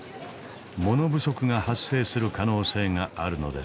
モノ不足が発生する可能性があるのです。